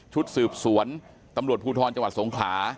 ชุดสืบสวนตำรวจภูทรจังหวัดสงขลา